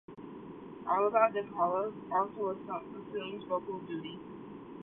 All but DePaola also assumed vocal duties.